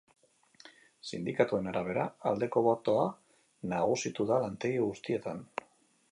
Sindikatuen arabera, aldeko botoa nagusitu da lantegi guztietan.